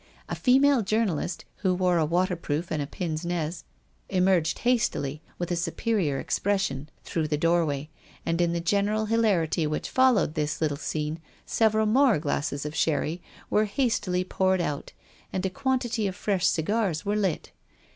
A lady journalist, who wore a water proof and a pince nez, emerged hastily, with a superior expression, through the doorway, 182 THE STORY OF A MODERN WOMAN. and in the general hilarity which followed this little scene several more glasses of sherry were hastily poured out and a quantity of fresh cigars were lit.